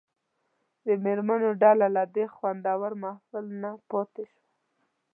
د مېرمنو ډله له دې خوندور محفل نه پاتې شوه.